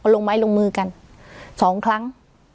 ลงไม้ลงมือกัน๒ครั้ง